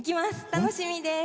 楽しみです！